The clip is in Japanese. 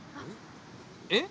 えっ？